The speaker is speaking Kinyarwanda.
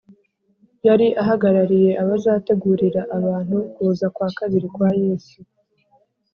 yari ahagarariye abazategurira abantu kuza kwa kabiri kwa Yesu.